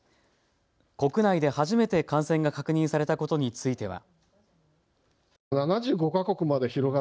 国内で初めて感染が確認されたことについては。